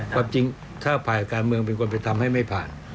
ความจริงถ้าฝ่ายการเมืองเป็นคนไปทำให้ไม่ผ่าน